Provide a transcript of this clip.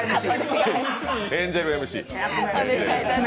エンジェルＭＣ。